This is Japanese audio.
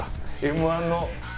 Ｍ−１の。